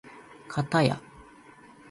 かたや